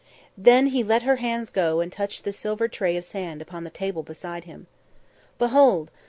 Then he let her hands go and touched the silver tray of sand upon the table beside him. "Behold!